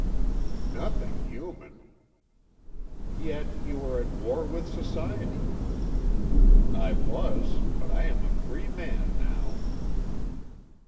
"Nothing human." "Yet you are at war with society." "I was; but I am a free man now."